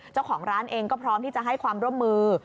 เจ้าของร้านเองก็พร้อมที่จะให้ความร่วมมือ